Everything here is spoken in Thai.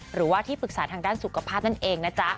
หรือว่าที่ปรึกษาทางด้านสุขภาพนั่นเองนะจ๊ะ